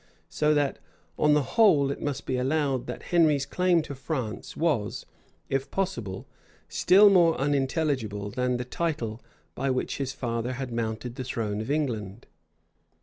So that, on the whole, it must be allowed that Henry's claim to France was, if possible, still more unintelligible than the title by which his father had mounted the throne of England.